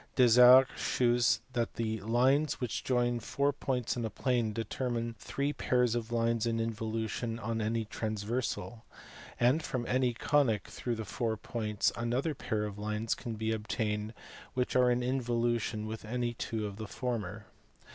Desargues shews that the lines which join four points in a plane determine three pairs of lines in involution on any transversal, and from any conic through the four points another pair of lines can be obtained which are in involution with any two of the former.